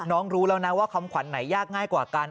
รู้แล้วนะว่าคำขวัญไหนยากง่ายกว่ากัน